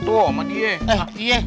tuh sama dia